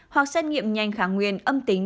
hoặc xét nghiệm nhanh kháng nguyên âm tính